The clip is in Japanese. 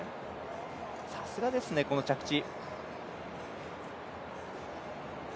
さすがですね、この着地。